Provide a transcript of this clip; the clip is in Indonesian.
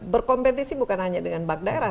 berkompetisi bukan hanya dengan bak daerah